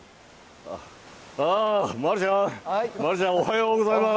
あぁ、丸ちゃん、丸ちゃん、おはようございます。